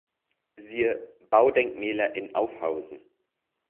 Siehe: Baudenkmäler in Aufhausen